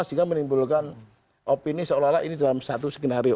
sehingga menimbulkan opini seolah olah ini dalam satu skenario